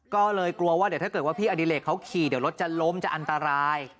ก็เลยกลัวว่าเดี๋ยวถ้าเกิดว่าพี่อดิเลกเขาขี่เดี๋ยวรถจะล้มจะอันตราย